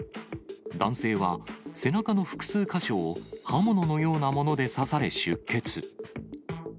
男性は背中の複数箇所を、刃物のようなもので刺され出血。